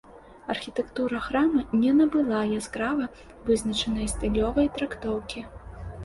Архітэктура храма не набыла яскрава вызначанай стылёвай трактоўкі.